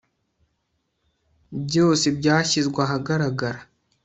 byose byashyizwe ahagaragara